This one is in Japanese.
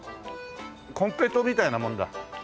金平糖みたいなもんだ。